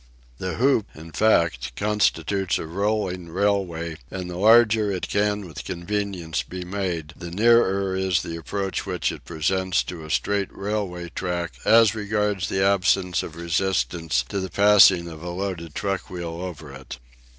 The hoop, in fact, constitutes a rolling railway, and the larger it can with convenience be made, the nearer is the approach which it presents to a straight railway track as regards the absence of resistance to the passing of a loaded truck wheel over it.